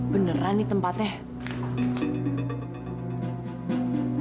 beneran nih tempatnya